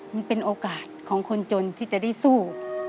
มันเป็นโอกาสของคนจนที่จะได้สู้